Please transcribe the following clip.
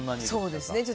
そうですね。